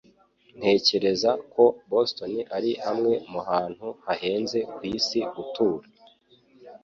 Ntekereza ko Boston ari hamwe mu hantu hahenze kwisi gutura.